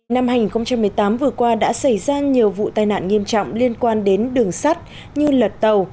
năm hai nghìn một mươi tám vừa qua đã xảy ra nhiều vụ tai nạn nghiêm trọng liên quan đến đường sắt như lật tàu